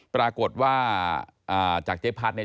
ปรากฏว่าจากเจ๊พัดเนี่ย